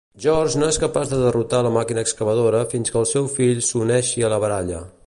George no es capaç de derrotar la màquina excavadora fins que el seu fill s"uneixi a la baralla.